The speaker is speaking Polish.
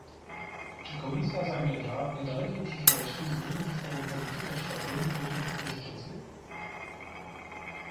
Czy Komisja zamierza w niedalekiej przyszłości zmienić swoją politykę szczepień przeciw pryszczycy?